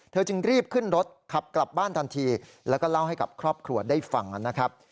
จึงรีบขึ้นรถขับกลับบ้านทันทีแล้วก็เล่าให้กับครอบครัวได้ฟังนะครับ